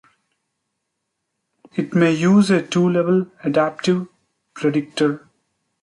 It may use a two-level adaptive predictor.